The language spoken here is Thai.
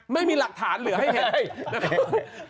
ไม่มีหลักฐานเหลือให้เห็น